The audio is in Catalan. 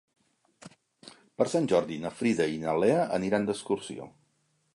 Per Sant Jordi na Frida i na Lea aniran d'excursió.